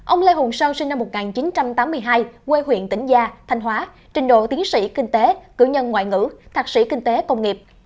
ông lê hùng sau sinh năm một nghìn chín trăm tám mươi hai quê huyện tỉnh gia thanh hóa trình độ tiến sĩ kinh tế cử nhân ngoại ngữ thạc sĩ kinh tế công nghiệp